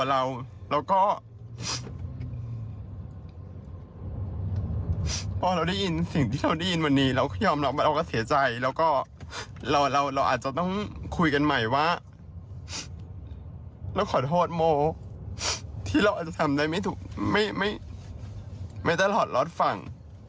แล้วก็อาจจะทำได้ไม่ถูกไม่ตลอดรอดฝั่ง